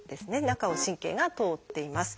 中を神経が通っています。